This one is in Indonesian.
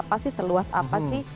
apa sih seluas apa sih